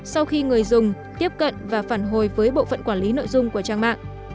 sau khi người dùng tiếp cận và phản hồi với bộ phận quản lý nội dung của trang mạng